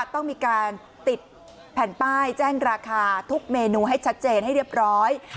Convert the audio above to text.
ต้องมีการติดแผ่นป้ายแจ้งราคาทุกเมนูให้ชัดเจนให้เรียบร้อย